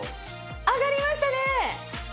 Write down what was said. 上がりましたね。